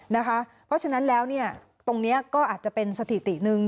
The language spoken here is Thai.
เพราะฉะนั้นแล้วตรงนี้ก็อาจจะเป็นสถิติหนึ่ง